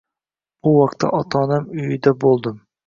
Bu vaqtda ota-onam uyida bo`ldim